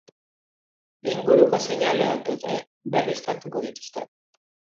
Inguruko seinaleak ere berriztatuko dituzte.